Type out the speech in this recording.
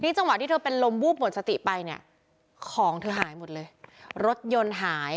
จังหวะที่เธอเป็นลมวูบหมดสติไปเนี่ยของเธอหายหมดเลยรถยนต์หาย